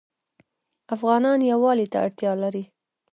افغانان یووالي ته اړتیا لري.